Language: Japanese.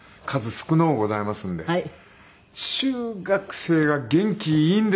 中学生が元気いいんですよね。